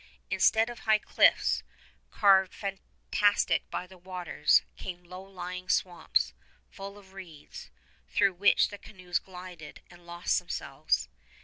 Instead of high cliffs, carved fantastic by the waters, came low lying swamps, full of reeds, through which the canoes glided and lost themselves.